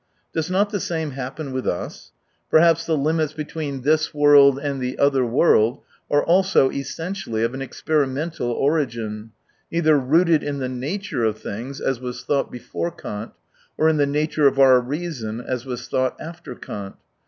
... Does not the same happen with us ? Perhaps the limits between " this 142 world" and "the other world" are also essentially of an experimental origin, neither rooted in the nature of things, as was thought before Kant, or in the nature of our reason, as was thought after Kant.